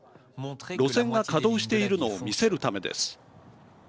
路線が稼働しているのを見せるためです。